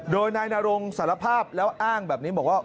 โดยนายนรงสารภาพแล้วอ้างแบบนี้บอกว่า